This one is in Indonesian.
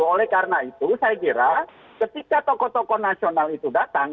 oleh karena itu saya kira ketika tokoh tokoh nasional itu datang